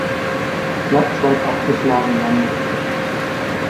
Platz weit abgeschlagen landete.